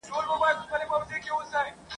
چي له بازه به ورک لوری د یرغل سو !.